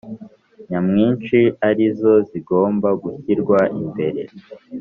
nyamwinshi ari zo zigomba gushyirwa imbere.